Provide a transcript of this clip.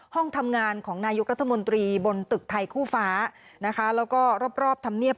ห้องทำงานของนายกรัฐมนตรีบนตึกไทยคู่ฟ้านะคะแล้วก็รอบธรรมเนียบ